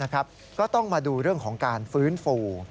ก็ต้องมาดูเรื่องของการฟื้นฟู